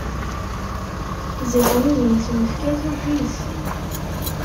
Ziɣen udem i s-nefka tugi-t.